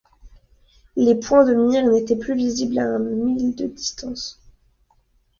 Les points de mire n’étaient plus visibles à un mille de distance.